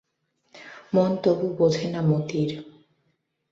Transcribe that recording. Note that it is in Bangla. মন তবু বোঝে না মতির।